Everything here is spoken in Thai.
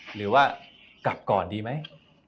หรือว่ากลับก่อนดีไหม